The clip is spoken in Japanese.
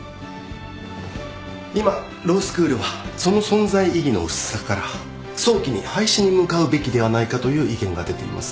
今ロースクールはその存在意義の薄さから早期に廃止に向かうべきではないかという意見が出ています。